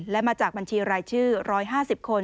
และมาจากบัญชีรายชื่อ๑๕๐คน